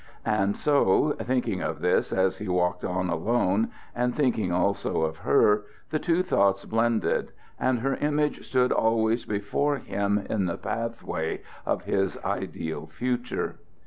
And so, thinking of this as he walked on alone and thinking also of her, the two thoughts blended, and her image stood always before him in the path way of his ideal future.